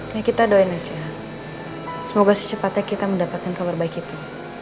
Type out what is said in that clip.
ya kita doain aja semoga secepatnya kita mendapatkan kabar baik itu